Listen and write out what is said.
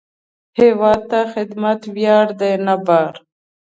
هیواد ته خدمت ویاړ دی، نه بار